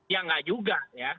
ya nggak juga ya